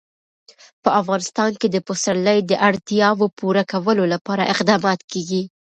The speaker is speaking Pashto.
په افغانستان کې د پسرلی د اړتیاوو پوره کولو لپاره اقدامات کېږي.